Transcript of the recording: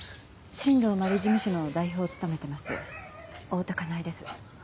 新道真理事務所の代表を務めてます大多香苗です。